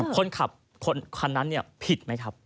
คนขับคนนั้นผิดไหมครับ